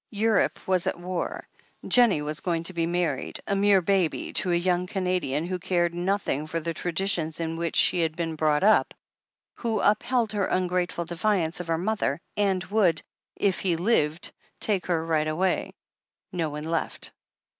Europe was at war — ^Jennie was going to be married, a mere baby, to a yoiuig Canadian who cared nothing for the traditions in which she had been brought up, who upheld her ungrateful defiance of her mother, and would, if he lived, take her right away. ... no one left.